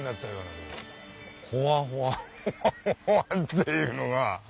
ホワホワホワっていうのが。